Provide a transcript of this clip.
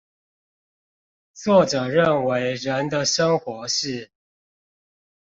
作者認為人的生活是